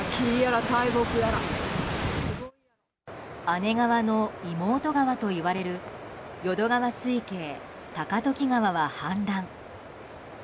姉川の妹川といわれる淀川水系高時川は氾濫。